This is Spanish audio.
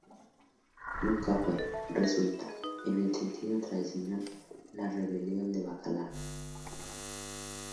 Nunca fue "resuelta", en el sentido tradicional, la rebelión de Bacalar.